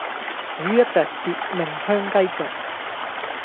好一隻奪命香雞腳